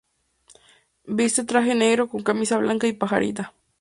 Viste traje negro con camisa blanca y pajarita.